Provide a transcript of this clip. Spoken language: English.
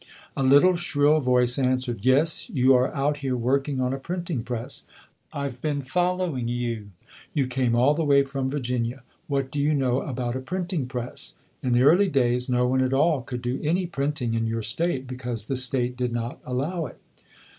A little shrill voice answered, "Yes, you are out here working on a printing press. I've been fol lowing you. You came all the way from Virginia. What do you know about a printing press? In the early days no one at all could do any printing in your state, because the state did not allow it".